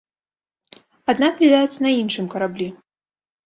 Аднак, відаць, на іншым караблі.